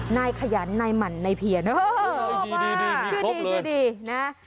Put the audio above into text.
นายขยันนายหมั่นนายเพียนโอ้โหมากคือดีนะ